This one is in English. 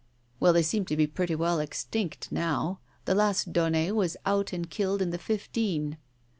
Well, they seem to be pretty well extinct now. The last Daunet was out and killed in the fifteen.